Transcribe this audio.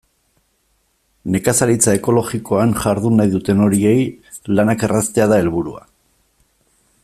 Nekazaritza ekologikoan jardun nahi duten horiei lanak erraztea da helburua.